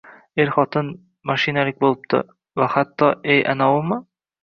er-xotin mashinalik boʼlibdi va hatto: «E, anovimi?..